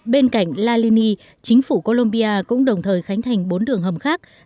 bên cạnh la lini chính phủ colombia cũng đồng thời khánh thành bốn đường hầm khác